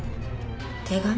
手紙？